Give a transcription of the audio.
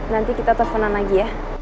nanti kita pesanan lagi ya